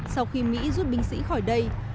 sau khi mỹ rút binh sĩ khỏi đây